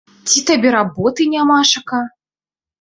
Ці табе работы нямашака?!